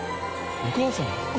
お母さん？